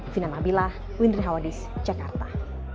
fina mabilah windri hawadis jakarta